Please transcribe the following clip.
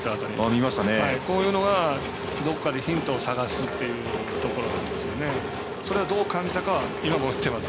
こういうのが、どこかでヒントを探すというところですね。